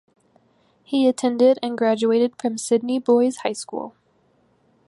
He attended and graduated from Sydney Boys High School.